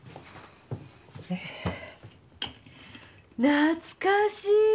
懐かしい！